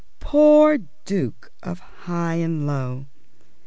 Poor Duke of Highanlow!